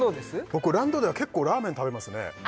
僕ランドでは結構ラーメン食べますね